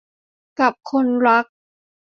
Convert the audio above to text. กับคนรัก